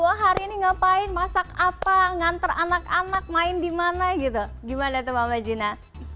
wah hari ini ngapain masak apa nganter anak anak main di mana gitu gimana tuh mama gina